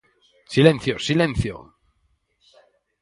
¡Silencio!, ¡silencio!